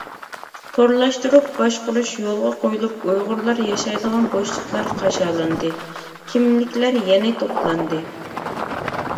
تورلاشتۇرۇپ باشقۇرۇش يولغا قويۇلۇپ ئۇيغۇرلار ياشايدىغان بوشلۇقلار قاشالاندى، كىملىكلەر يەنە توپلاندى.